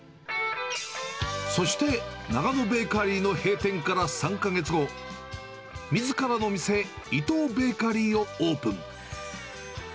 そして、長野ベーカリーの閉店から３か月後、みずからの店、イトウベーカリーをオープン。